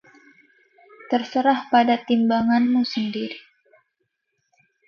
terserah pada timbanganmu sendiri